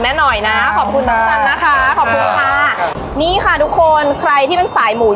มีขอเสนออยากให้แม่หน่อยอ่อนสิทธิ์การเลี้ยงดู